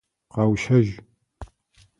Къэущэжь!